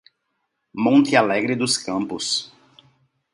Monte Alegre dos Campos